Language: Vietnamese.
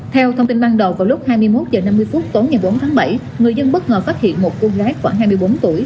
theo thông tin ban đầu vào lúc hai mươi một h năm mươi tối ngày bốn tháng bảy người dân bất ngờ phát hiện một cô gái khoảng hai mươi bốn tuổi